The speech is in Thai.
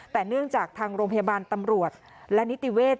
แต่เนื่องจากทางโรงพยาบาลตำรวจและนิติเวศ